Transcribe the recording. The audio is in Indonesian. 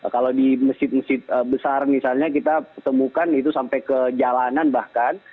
kalau di masjid masjid besar misalnya kita temukan itu sampai ke jalanan bahkan